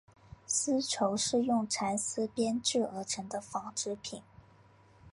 丝绸是用蚕丝编制而成的纺织品。